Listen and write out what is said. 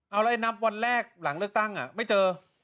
เอาแล้วไอ้นับวันแรกหลังเลือกตั้งไม่เจอ